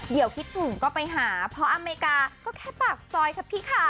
เดี๋ยวคิดถึงก็ไปหาเพราะอเมริกาก็แค่ปากซอยครับพี่ค่ะ